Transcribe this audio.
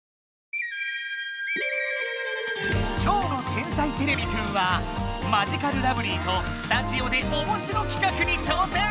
今日の「天才てれびくん」はマヂカルラブリーとスタジオでおもしろきかくに挑戦！